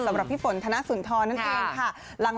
สำหรับพี่ฝนธนสุนทรนั่นเองค่ะ